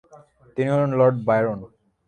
তিনি হন Lord Byron.